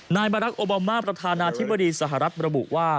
นายบารักษ์โอบามาประธานาธิบดีสหรัฐระบุว่า